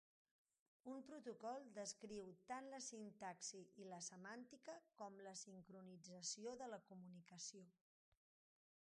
Un protocol descriu tant la sintaxi i la semàntica com la sincronització de la comunicació.